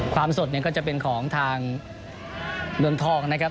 ความสดก็จะเป็นของทางเมืองทองนะครับ